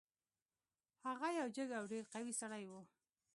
هغه یو جګ او ډیر قوي سړی و.